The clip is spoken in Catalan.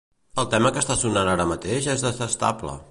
El tema que està sonant ara mateix és detestable.